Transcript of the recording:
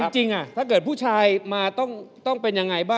จริงถ้าเกิดผู้ชายมาต้องเป็นยังไงบ้าง